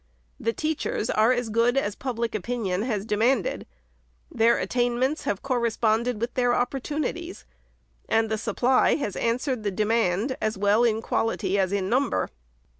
The teachers are as good as public opinion has demanded. Their attainments have corresponded with their opportu nities ; and the supply has answered the demand as well in quality as in number.